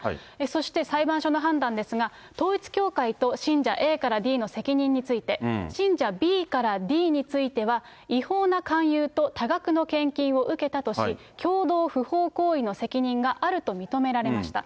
そして裁判所の判断ですが、統一教会と信者ＡからＤの責任について、信者ＢからＤについては、違法な勧誘と多額の献金を受けたとし、共同不法行為の責任があると認められました。